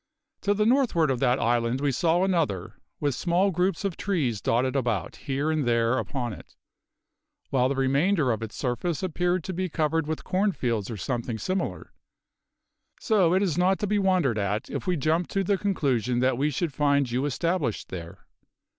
To the northward of that island we saw another, with small groups of trees dotted about here and there upon it, while the remainder of its surface appeared to be covered with corn fields or something similar; so it is not to be wondered at if we jumped to the conclusion that we should find you established there.